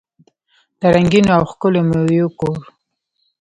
د رنګینو او ښکلو میوو کور.